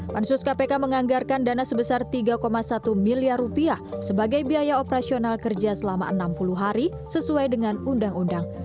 pansus kpk menganggarkan dana sebesar tiga satu miliar rupiah sebagai biaya operasional kerja selama enam puluh hari sesuai dengan undang undang